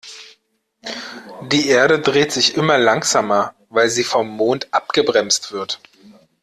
Die Erde dreht sich immer langsamer, weil sie vom Mond abgebremst wird.